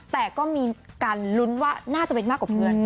แต่ก็มีการลุ้นว่าน่าจะเป็นมากกว่าเพื่อน